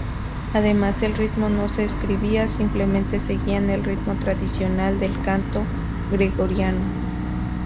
Además el ritmo no se escribía, simplemente seguían el ritmo tradicional del canto gregoriano.